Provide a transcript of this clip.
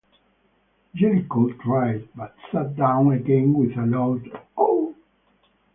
Jellicoe tried, but sat down again with a loud "Ow!"